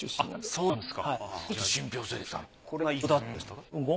そうですか。